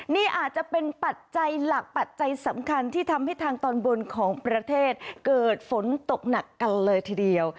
นี่อาจจะเป็นปัจจัยหลักปัจจัยสำคัญที่ทำให้ทางตอนบนของประเทศเกิดฝนตกหนักกันเลยทีเดียว